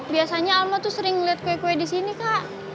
biasanya alma tuh sering ngeliat kue kue disini kak